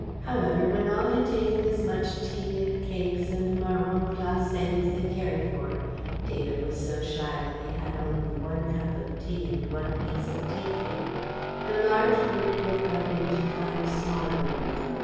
However when all had taken as much tea and cakes and marrons glacés as they cared for David was so shy that he had only one cup of tea and one piece of tea cake the large group broke up into five smaller ones.